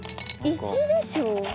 石でしょう。